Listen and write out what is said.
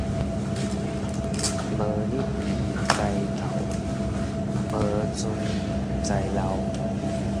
無日毋知晝，無鬚毋知老